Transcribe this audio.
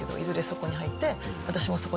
そこに入って。